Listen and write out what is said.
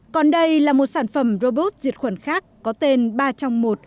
còn đây là một sản phẩm robot diệt khuẩn khác có tên ba trong một